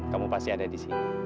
kamu pasti ada disini